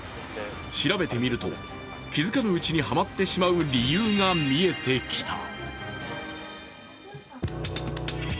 調べてみると、気づかぬうちにはまってしまう理由が見えてきた。